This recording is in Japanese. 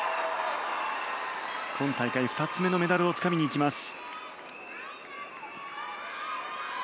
今大会２つ目のメダルをつかみにいきます。